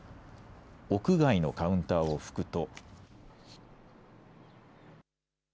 屋外のカウンターを拭くと。